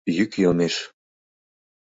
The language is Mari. Йӱк йомеш.